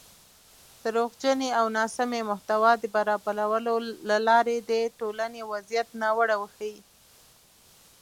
دروغجنې او ناسمې محتوا د برابرولو له لارې د ټولنۍ وضعیت ناوړه وښيي